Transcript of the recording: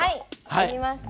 やります。